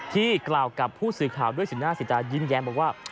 ที่กล่าวกับผู้สื่อข่าวด้วยสีหน้าสีตายิ้มแย้มบอกว่า